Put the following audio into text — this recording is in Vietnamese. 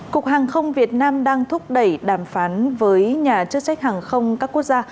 cục hàng không việt nam đang thúc đẩy đàm phán với nhà chức trách hàng không các quốc gia